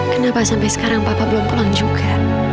kenapa sampai sekarang papa belum pulang juga